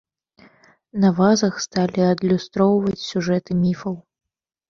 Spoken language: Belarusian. На вазах сталі адлюстроўваць сюжэты міфаў.